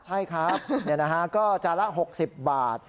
ใช่ครับก็จานละ๖๐บาท